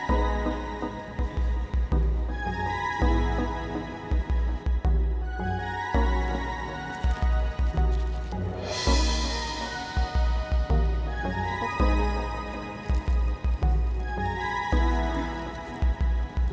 aku akan mencari yang lebih baik untukmu